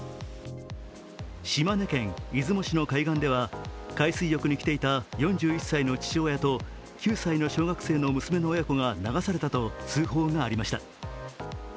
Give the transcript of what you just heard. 島根県出雲市の海外では、海水浴に来ていた４１歳の父親と９歳の小学生の娘の親子が流されたと通報がありました。